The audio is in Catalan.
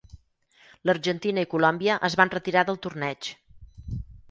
L'Argentina i Colòmbia es van retirar del torneig.